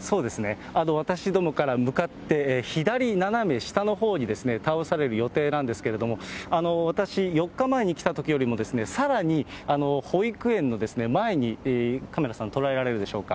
そうですね、私どもから向かって左斜め下のほうに倒される予定なんですけれども、私、４日前に来たときよりも、さらに保育園の前に、カメラさん、捉えられるでしょうか。